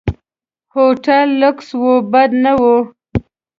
هوټل لکس و، بد نه و.